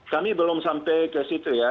kami belum sampai ke situ ya